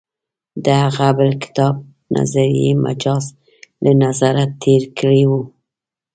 د هغه بل کتاب «نظریه مجاز» له نظره تېر کړی و.